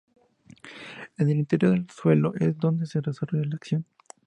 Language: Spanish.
En el interior del suelo, es donde se desarrolla la acción.